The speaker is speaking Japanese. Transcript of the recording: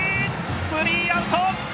スリーアウト！